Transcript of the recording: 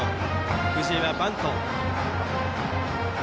藤江はバント。